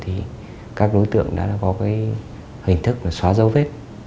thì các đối tượng đã có cái hình thức là xóa dấu vết